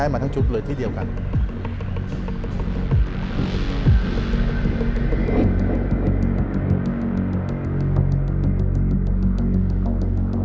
ไม่รู้ว่ามีคนติดละนาด